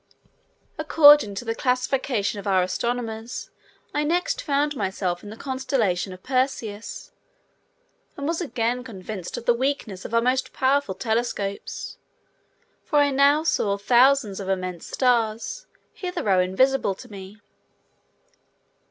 According to the classification of our astronomers I next found myself in the constellation of Perseus, and was again convinced of the weakness of our most powerful telescopes, for I now saw thousands of immense stars, hitherto invisible to me.